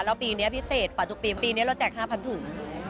แล้วปีนี้พิเศษฝันทุกปีปีนี้เราแจก๕๐๐๐ถุงเยอะมาก